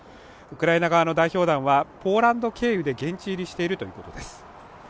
ウクライナ側の代表団はポーランド経由で現地入りしているということです